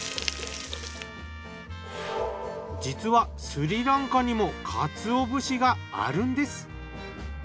実はスリランカにもカツオ節があるんです。